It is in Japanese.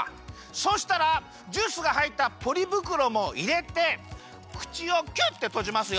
そしたらジュースがはいったポリぶくろもいれてくちをキュッてとじますよ。